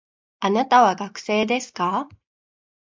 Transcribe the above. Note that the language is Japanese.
あなたは学生ですか